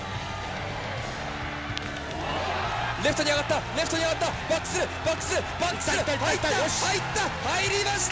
レフトに上がった、レフトに上がった、バックする、バックする、バックする、入った、入った！